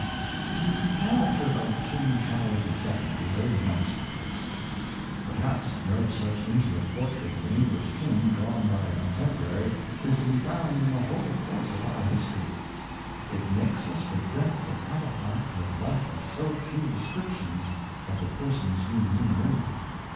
The Character of King Charles II is a masterpiece. Perhaps no such intimate portrait of an English King, drawn by a contemporary, is to be found in the whole course of our history. » It makes us regret that Halifax has left us so few descriptions of the persons whom he knew.